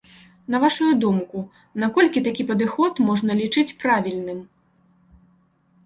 На вашую думку, наколькі такі падыход можна лічыць правільным?